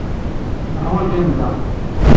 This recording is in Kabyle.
Neḥwaj anza.